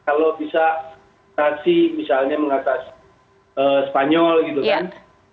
kalau bisa kasih misalnya mengatas spanyol gitu kan